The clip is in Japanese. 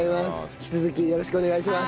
引き続きよろしくお願いします。